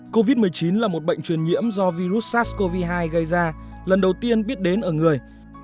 covid một mươi chín là một bệnh truyền nhiễm do virus sars cov hai gây ra lần đầu tiên biết đến ở người